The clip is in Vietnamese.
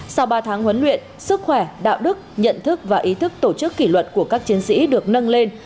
sau ba tháng huấn luyện sức khỏe đạo đức nhận thức và ý thức tổ chức kỷ luật của các chiến sĩ được nâng lên